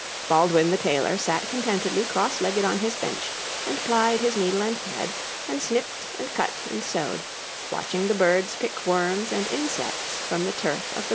Baldwin the Tailor sat contentedly cross legged on his bench and plied his needle and thread, and snipped, and cut, and sewed, watching the birds pick worms and insects from the turf of the battleground.